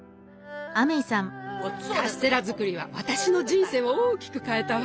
カステラ作りは私の人生を大きく変えたわ。